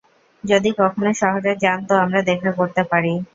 যদি কখনো শহরে যান তো আমরা দেখা করতে পারি।